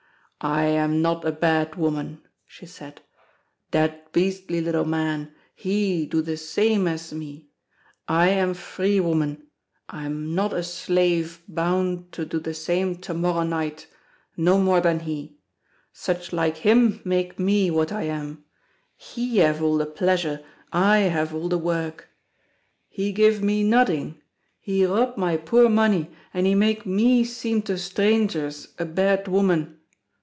"I am not a bad woman," she said: "Dat beastly little man, he do the same as me—I am free woman, I am not a slave bound to do the same to morrow night, no more than he. Such like him make me what I am; he have all the pleasure, I have all the work. He give me noding—he rob my poor money, and he make me seem to strangers a bad woman.